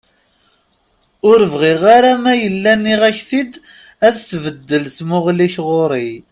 Ur bɣiɣ ara ma yella nniɣ-ak-t-id ad tbeddel tmuɣli-k ɣur-i!